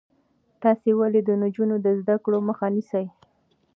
تاسو ولې د نجونو د زده کړو مخه نیسئ؟